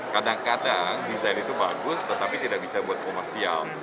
kadang kadang desain itu bagus tetapi tidak bisa buat komersial